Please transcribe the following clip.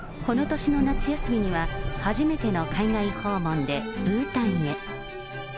この年の夏休みには、初めての海外訪問でブータンへ。